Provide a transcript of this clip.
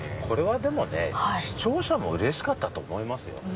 コレはでもね視聴者もうれしかったと思いますよ。